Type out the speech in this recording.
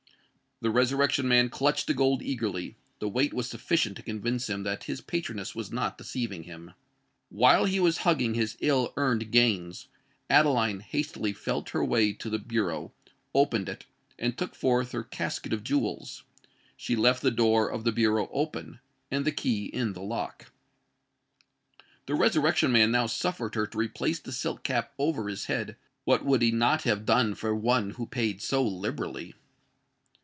The Resurrection Man clutched the gold eagerly:—the weight was sufficient to convince him that his patroness was not deceiving him. While he was hugging his ill earned gains, Adeline hastily felt her way to the bureau, opened it, and took forth her casket of jewels. She left the door of the bureau open, and the key in the lock. The Resurrection Man now suffered her to replace the silk cap over his head:—what would he not have done for one who paid so liberally!